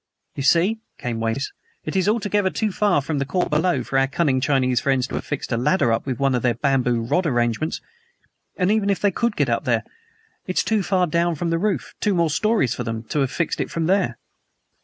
"You see," came Weymouth's voice, "it is altogether too far from the court below for our cunning Chinese friends to have fixed a ladder with one of their bamboo rod arrangements. And, even if they could get up there, it's too far down from the roof two more stories for them to have fixed it from there."